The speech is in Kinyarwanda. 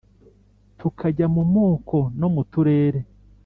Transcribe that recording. tukajya mu moko no mu turere,